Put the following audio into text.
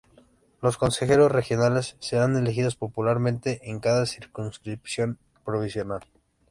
Los consejeros regionales serán elegidos popularmente en cada circunscripción provincial.